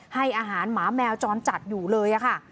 ให้อาหารหมาแมวจรจัดอยู่เลยค่ะ